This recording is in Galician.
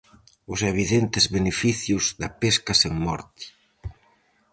Os evidentes beneficios da pesca sen morte.